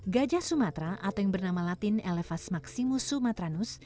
gajah sumatera atau yang bernama latin elevas maximus sumateranus